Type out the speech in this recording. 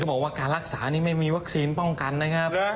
บอกว่าการรักษานี่ไม่มีวัคซีนป้องกันนะครับ